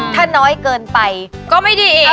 ถ้าน้อยเกินไปก็ไม่ดีอีก